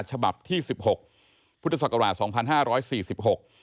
ฉบับที่๑๖พุทธศักราช๒๕๔๖